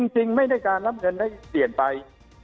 จริงไม่ได้การรับเงินได้เปลี่ยนไป